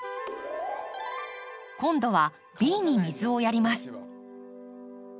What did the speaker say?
今度はＢに水をやります。